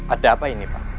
ada apa ini pak